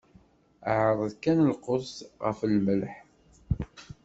Ɛreḍ kan lqut ɣef lmelḥ?